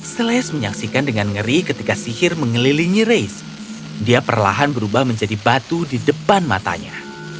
selis menyaksikan dengan ngeri ketika sihir mengelilingi race dia perlahan berubah menjadi batu di depan matanya